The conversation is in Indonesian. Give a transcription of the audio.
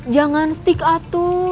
jangan stik atu